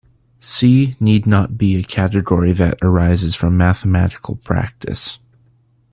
"C" need not be a category that arises from mathematical practice.